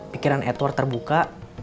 pikiran edward terbuka